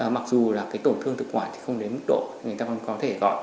mặc dù là cái tổn thương thực quản thì không đến mức độ người ta còn có thể gọi